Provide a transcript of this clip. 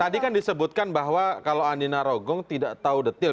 tadi kan disebutkan bahwa kalau andina rogong tidak tahu detail